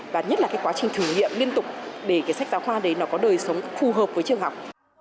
và nhất là quá trình thử nghiệm liên tục để sách giáo khoa đấy có đời sống phù hợp với trường học